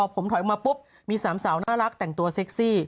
ผมถอยออกมาปุ๊บมี๓สาวน่ารักแต่งตัวเซ็กซี่